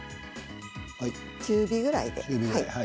中火ぐらいで。